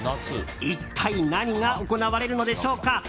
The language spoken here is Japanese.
一体、何が行われるのでしょうか？